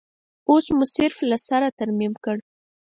اوس مو صرف له سره ترمیم کړ.